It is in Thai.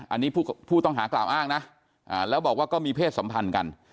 อันนี้ผู้ต้องหากล่าวอ้างนะแล้วบอกว่าก็มีเพศสัมพันธ์กัน